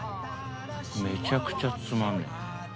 めちゃくちゃつまんねえ。